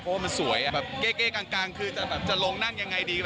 เพราะว่ามันสวยแบบเก้กลางคือจะแบบจะลงนั่นยังไงดี